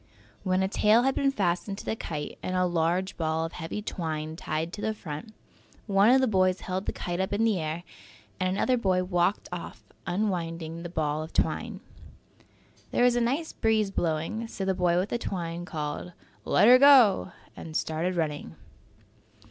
When a tail had been fastened to the kite and a large ball of heavy twine tied to the front, one of the boys held the kite up in the air and another boy walked off, unwinding the ball of twine. There was a nice breeze blowing, so the boy with the twine called, "Let 'er go" and started running.